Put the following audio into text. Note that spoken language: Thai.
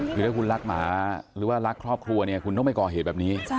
คือถ้าคุณรักหมาหรือว่ารักครอบครัวเนี่ยคุณต้องไปก่อเหตุแบบนี้